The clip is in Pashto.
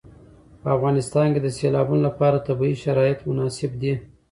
په افغانستان کې د سیلابونه لپاره طبیعي شرایط مناسب دي.